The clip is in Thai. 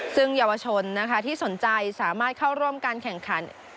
ซึ่งเยาวชนนะคะที่สนใจสามารถเข้าร่วมการแข่งขัน